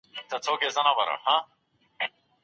سوداګري د هیوادونو اقتصاد پیاوړی کوي.